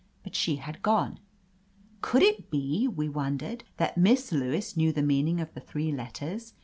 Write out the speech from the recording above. But she had gone. Could it be, we wondered, that Miss Lewis knew the meaning of the three let ters